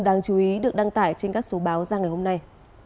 đáng chú ý được đăng tải trên các số báo ra ngày hôm nay